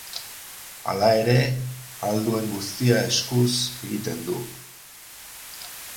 Hala ere, ahal duen guztia eskuz egiten du.